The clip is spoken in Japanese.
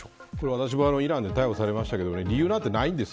私もイランで逮捕されましたけど理由なんてないんです。